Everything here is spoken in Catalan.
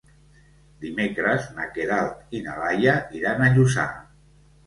Dimecres na Queralt i na Laia iran a Lluçà.